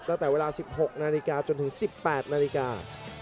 ตั้งแต่เวลา๑๖นาฬิกาจนถึง๑๘นาฬิกา